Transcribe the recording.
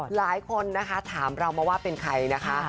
หลายคนนะคะถามเรามาว่าเป็นใครนะคะ